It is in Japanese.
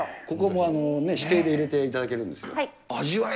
ここも指定で入れていただけるんですよね。